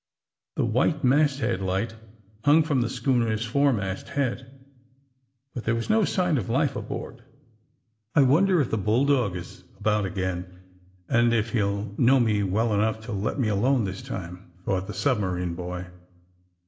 The white masthead light hung from the schooner 's foremast head, but there was no sign of life aboard. 190 THE SUBMAEINB BOYS '*I wonder if the bull dog is abont again, and if he'll know me well enough to let me alon© this time." thought the submarine boy.